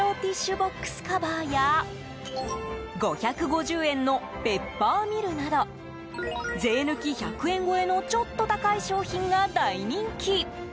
ボックスカバーや５５０円のペッパーミルなど税抜き１００円超えのちょっと高い商品が大人気。